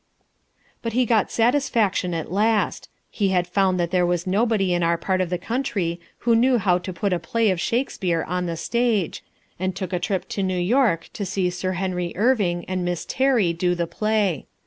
But he got satisfaction at last. He had found that there was nobody in our part of the country who knew how to put a play of Shakespeare on the stage, and took a trip to New York to see Sir Henry Irving and Miss Terry do the play.